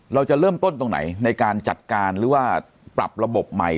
เราจะเริ่มต้นตรงไหนในการจัดการหรือว่าปรับระบบใหม่